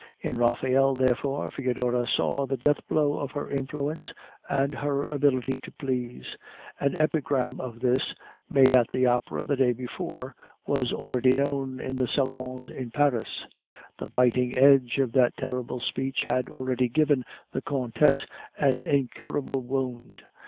In Raphael, therefore, Foedora saw the deathblow of her influence and her ability to please. An epigram of his, made at the Opera the day before, was already known in the salons of Paris. The biting edge of that terrible speech had already given the Countess an incurable wound.